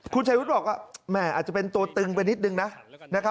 คุณชายวุฒิบอกว่าแม่อาจจะเป็นตัวตึงไปนิดนึงนะ